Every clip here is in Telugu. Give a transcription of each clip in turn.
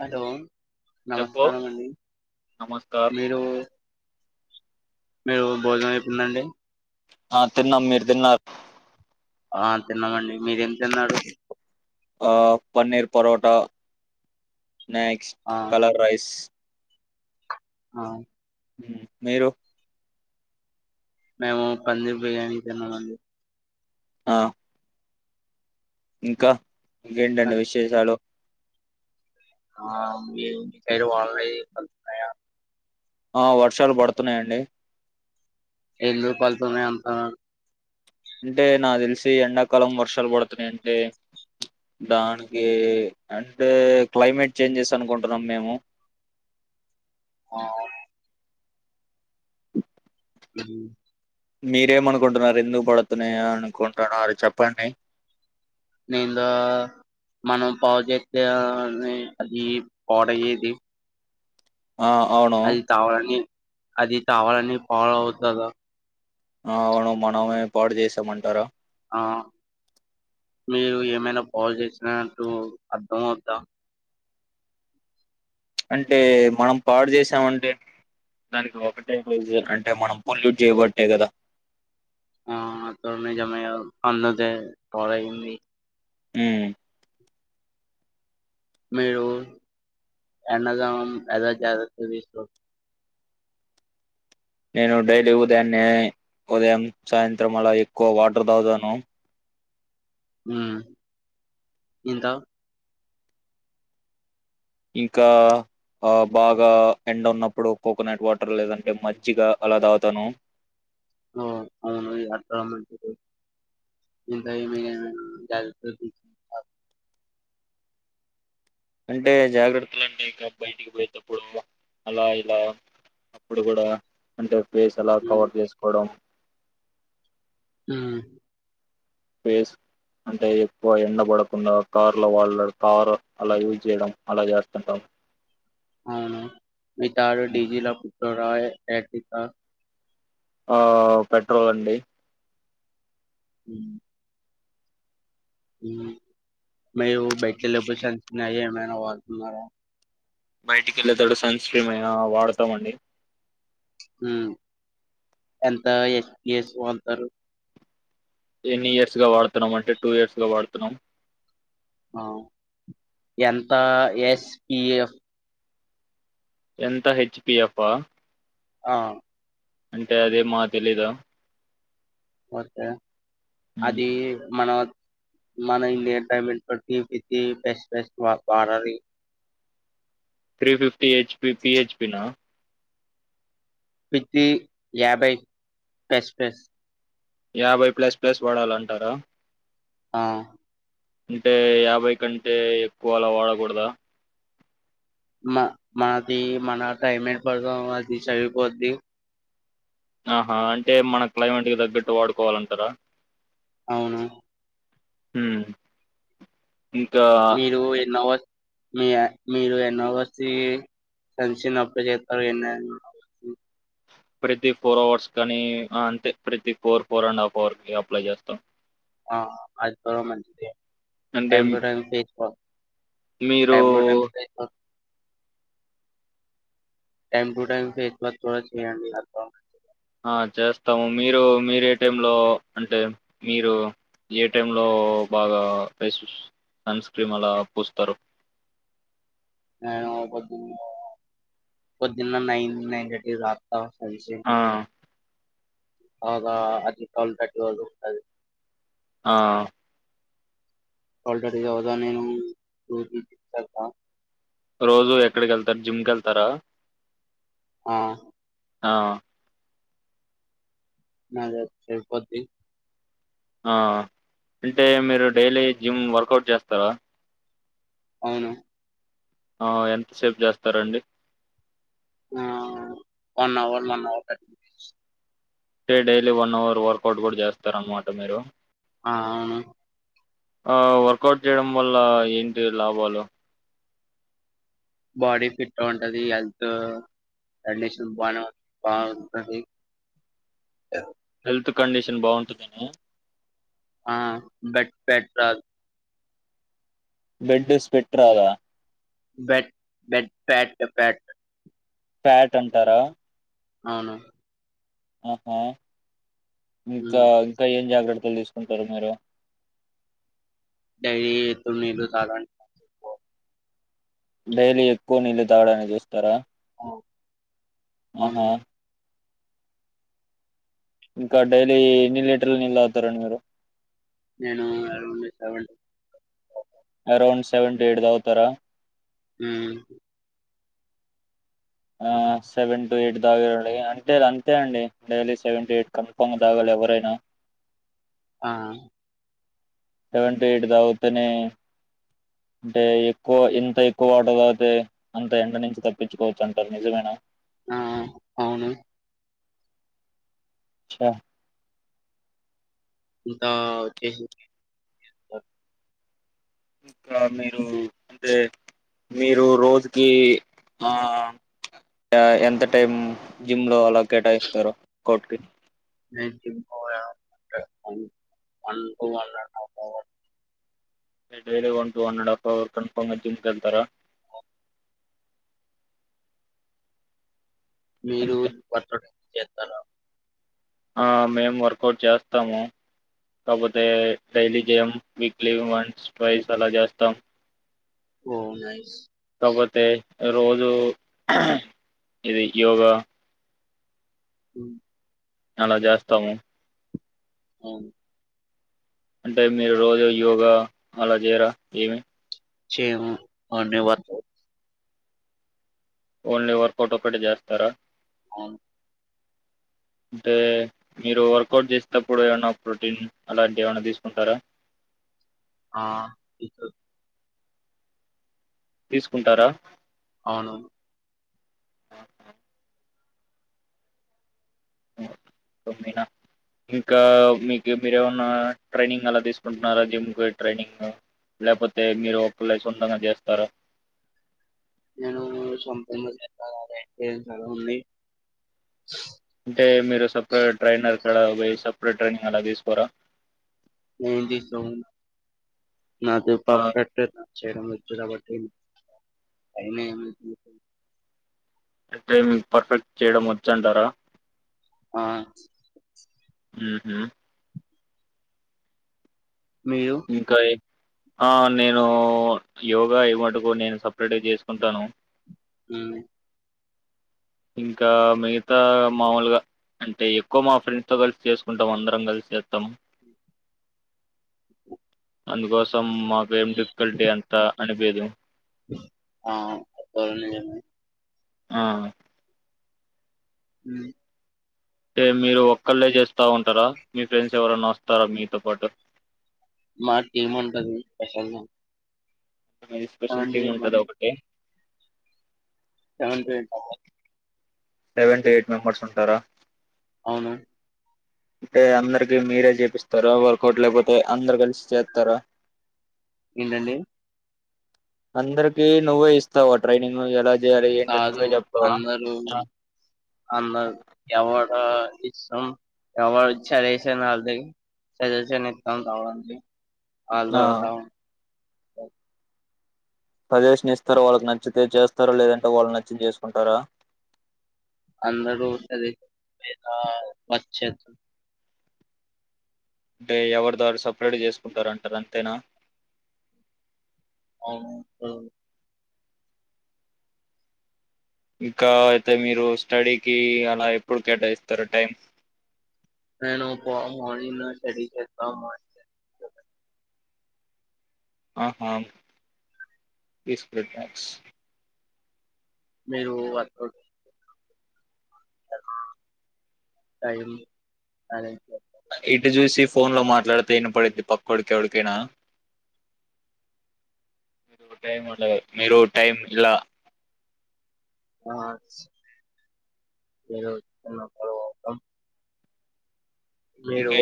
హలో చెప్పు నమస్కారం అండి. నమస్కార్ మీరూ మీరు భోజనం అయిపోయిందా అండి. ఆ తిన్నాం. మీరు తిన్నార్ ఆ తిన్నామండి. మీరేం తిన్నారు? ఆ పన్నీర్, పరోటా, నాక్స్ట్, ఆ కలర్ రైస్. ఆ మ్ మీరు? మేము పన్నీర్ బిర్యానీ తిన్నామండి. ఆ ఇంకా ఇంకేంటండి పన్- విశేషాలు ఆ మీ మీ సైడ్ వానలనేవి పడుతున్నాయా? ఆ వర్షాలు పడుతున్నాయండి. ఎందుకు పడుతున్నయ్ అంటున్నరు. అంటే నాక్ తెల్సి ఎండాకాలం వర్షాలు పడుతున్నయంటే దానికి అంటే క్లైమేట్ చేంజెస్ అనుకుంటున్నాం మేము. ఆ మ్ మీరేమనుకుంటున్నారు ఎందుకు పడుతున్నాయ అనుకుంటున్నారు చెప్పండి. [unintelligible] మనం పావు చెప్తే అది పాడయ్యేది. ఆ అవును అది తవాలని అది తవాలని పావు అవుతాదా ఆ అవును మనమే పాడు చేసామంటారా ఆ మీరు ఏమైనా పాల్ చేసిన అంటూ అర్థమవ్వుద్దా అంటే మనం పాడు చేసామంటే దానికి ఒకటే రీసన్ అంటే మనం పొల్యూట్ చేయబట్టే కదా ఆ అంతా నిజమే గదా అన్నదే పాడైంది. మ్ మీరు ఎండలో ఎలా జాగ్రత తీస్కున్ నేను డైలీ ఉదయాన్నే ఉదయం సాయంత్రం అలా ఎక్కువ వాటర్ తాతాను మ్ ఇంకా ఇంకా ఆ బాగా ఎండ ఉన్నప్పుడు కోకోనట్ వాటర్ లేదంటే మజ్జిగా అలా తాగుతాను. ఓ అవును [unintelligible] ఇంకా ఈవెనింగ్ [unintelligible] అంటే జాగ్రత్తలు అంటే ఇంకా బయటికి పోయేటప్పుడు అలా ఇలా అప్పుడు కూడా అంటే పేస్ అలా కవర్ చేసుకోవడం ఉమ్ ఫేస్ అంటే ఎక్కువ ఎండ పడకుండా కారులో వాళ్ళ కారు అలా యూజ్ చేయడం అలా చేస్తుంటాం అవును మీ తారు డీజీల పెట్రోల్ ఆ పెట్రోల్ అండి ఉమ్ మీరు బయటకి వెళ్ళేయటపుడు సుంస్క్రీన్ ఏమైనా వాడుతున్నారా బయటికి వెళ్ళేతాడు సున్స్క్ర్రేమ్ వాడతాంండి ఎంత ఎన్ని ఇయర్స్ వాడతారు ఎనీ ఇయర్స్ గా వాడుతున్నాం అంటే టూ ఇయర్స్ గా వాడుతున్నాం ఎంత ఎస్పిఎఫ్ ఎంత హెచ్ పి అఫా ఆ ఆ అంటే అదీ మాక్ తెలీద ఓకే అది మన మన ఇండియ టైమింగ్స్ బట్టి ఇతి పేస్ ఫస్ట్ వారీ త్రీ ఫిఫటీ ఎచ్పి పిఎచ్పి నా పిత్తి యాభై ప్లస్ ప్లస్ యాభై ప్లస్ ప్లస్ వాడాలంటారా ఆ అంటే యాభై కంటే ఎక్కువలా వాడకూడదా మ మనది మన టైమట్ ఎప్పద్దో అది సరిపోద్ది ఆహా అంటే మన క్లైమేట్కి తగ్గట్టు వాడుకోవాలంటారా అవును ఉమ్ మీరు ఎన్నోవర్స్ మీ మీరు ఎన్నోవర్స్ సుంస్క్రీన్ అప్లై చేస్తారు ఎన్ని ప్రతి ఫోర్ అవర్స్ కానీ అంతే ప్రతి four four and half hour apply చేస్తాం ఆ అదికోడా మంచిదే అంటే టైం టు టైంకో మీరు time to time time to time face wash కూడా చేయండి ఆ చేస్తాము మీరు మీర ఏ టైం లో అంటే మీరు ఏ టైమ్ లో బాగా ఫేస్ వాస్ సన్స్క్రీం అలా పూస్తారు నేను పొంద్ పొద్దునే నైన్ నైన్ రా ఆ కల్సి ఆ అదా అది టువల్ తట్టి వాళ్ళు ఆ [unintelligible] రోజు ఎక్కడికి వెళ్తారు జిమ్కి వెళ్తారా ఆ ఆ నాజ సర్పోద్ది ఆ అంటే మీరు డైలీ జిమ్ వర్కౌట్ చేస్తారా? అవును ఆ ఎంతసేపు చేస్తారండి హ్మ్ one hour one hour thirty minutes సే డైలీ వన్ అవర్ వర్కౌట్ కూడా చేస్తార అనమాట మీరు ఆ ఆ వర్కౌట్ చేయడం వల్ల ఏంటి లాభాలు? బాడీ ఫిట్గా ఉంటది హెల్తూ కండిషన్ బానే బావుంటది. హెల్త్ కండిషన్ బావుంటుందనా ఆ బెట్ పెట్ రాల్ బెడ్ స్వేట్ రాదా? బెట్ బెట్ ప్యాటు ప్యాట్ ప్యాట్ అంటారా? అవును ఆహా ఇంకా హ్మ్ ఇంకా ఏం జాగ్రత్త లు తీసుకుంటరు మీరు డైలీ ఎప్పుడు నీళ్లు తాగాలి? ఓ డైలీ ఎక్కువ నీళ్ళు తాగడానీకి ఇస్తారా? అవును. ఆహా ఇంకా డైలీ ఎన్ని లీటర్ల నీళ్ళు తాగుతారండి మీరు? నేను ఎవ్ ఇత్తవండ్ ఒ అరౌండ్ సెవెన్టు ఎయిట్ దగుతరా హ్మ్ ఆ సెవెన్టు ఎయిట్ తాగాలి అంటే అంతే అండి డైలీ సెవెన్టు ఎయిట్ కన్ఫామ్గా తాగాలి. ఎవరైనా ఆ సెవెన్టు ఎయిట్ తాగుతనే అంటే ఎక్కువ ఎంత ఎక్కువ వాటర్ తాగితే అంత ఎండ నుంచి తప్పించుకోవచ్చు అంటారు నిజమేనా? ఆ అవును చ ఇంకా వచ్చేసి ఇంకా మీరు అంటే మీరు రోజుకీ ఆ ఆ ఎంత టైం జిమ్ లో అలా కేటాయిస్తారో కోర్ట్ కి నైన్టేన్ కోవా అనుకున్ one to one and half hour మీరు daily one two one and half hour కన్ఫమ్గ జిమ్కి వెళ్తారా? మీరు అంటే వర్కౌట్ చేస్తరా? ఆ మేము వర్కౌట్ చేస్తాము. కాకపోతే డైలీ జేయమ్ వీక్లీ వన్స్, ట్వయ్స్ అలా చేస్తాం. ఓ నైస్ ఒక్కతే రోజు ఇది యోగా ఉ అలా చేస్తాము ఉ అంటే మీరు రోజు యోగా అలా చేయరా ఏమి? చెయము ఓన్లీ వర్కౌట్ ఓన్లీ వర్కౌట్ ఒక్కటి చేస్తారా? అవును అంటే మీరు వర్కౌట్ చేసేటప్పుడు ఏమనా ప్రోటీన్ అలాంటివి ఏమనా తీసుకుంటారా ఆ తీసుకుంటారా ఔను ఉహు ఓ తూ మీన ఇంకా మీకు మీరేమన్నా ట్రైనింగ్ అలా తీసుకుంటారా జిమ్క్ ట్రైనింగ్ లేపోతే మీరు ఒక లేచేస్కుంటున్నారు చేస్తారా నేను సొంతగా చెప్పాలని అయితే చాల ఉంది అంటే మీరు సపరేట్ ట్రైనర్ కడపోయి సపరేట్ ట్రైనింగ్ అలా తీసుకోరా ఏం తీసుకోమండి నాకు ఆ సెపరేటేగా చేయడం వచ్చు వచ్చు కాబట్టి పైన టైమింగ్ పర్ఫెక్ట్ చేయడం వచ్చంటారా ఆ ఊహు మీరు ఇంకా ఎ ఆ నేనూ యోగా ఐమటుకు నేను సప్రేట్గ చేస్కుంటాను హ్మ్ ఇంకా మిగతా మాముల్గా అంటే ఎక్క్వా మా ఫ్రెండ్స్ తొ కలిసి చేసుకుంటం అందరం కలిసి చేత్తము అందుకోసం మాకేం డిఫ్కల్టీ అంతా అనిపియ్యదు ఆ పోనిలే ఆ ఉ టె మీరు ఒక్కల్లె చేస్తా ఉంటరా మీ ఫ్రెండ్స్ ఎవరన్న ఒస్తరా మీతో పాటు మా టీం ఉంటది స్పెషల్ గా అది స్పెషల్ సెవెన్ టు టీమ్ ఉంటద ఎయిట్ ఒకటి సేవంటి eight members seven to eight members ఉంటరా ఔను అంటే అందరికి మీరే చేపిస్తర వర్కౌట్ లేకపోతే అందరు కలిసి చేత్తరా ఏంటండీ అందర్కి నువ్వె ఇస్తావా ట్రైనింగ్ ఎలా చేయాలి ఏంటని కాదు నువ్వే చెప్తావా అందరూ అందరూ ఎవడా ఇస్తం ఎవర్ చెజేషన్ ఆల్ది సజేషన్ ఇత్తం కావండి ఆ అలదోతం సజెసషన్ ఇస్తర్ వాళ్ళక్ నచ్చుతే చేస్తారు లేదంటే వాళ్ళ్ నచ్చించేసుకుంటరా అందరు సజెసషన్ నచ్చదు టే ఎవడ్ దారు సప్రేట్ చేస్కుంటార్ అంటర్ అంతేనా ఔను ఇంకా ఐతే మీరు స్టడికీ అలా ఎప్పుడు కేటాయిస్తరు టైం నేను మార్నింగ్ స్టార్డింగ్ చేస్తా ఆహా థిస్ మీరు వర్కౌట్ టైం అదే ఫోన్లో మాట్లాడితే ఇనపడింది పక్లోడ్కి ఎవడ్కైనా టైం ఉండదు మీరు టైం ఇలా ఆ మిరూ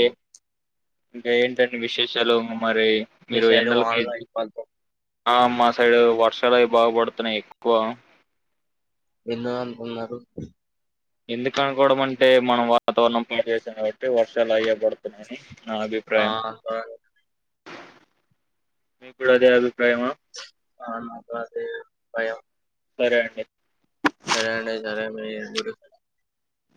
ఇంక ఏంటండి విశేషాలు మరి మీ మీరు సైడ్ ఎండలకి వానలో ఎక్కువ వెళ్తాం. ఆ మా సైడు వర్షాలవి బాగపడ్తున్నాయి ఎక్వా ఎన్నో అన్కున్నరు ఎందుకు అనుకోవడం అంటే మనం వాతావరణం పాడు చేసాం కాబట్టి వర్షాలు అయ్యే పడుతున్నాయి ఆ మీ కూడా అదే అభిప్రాయమా ఆ నాకు అదే భయం సరే అండి సరే అండి సరే అండి మీ గుర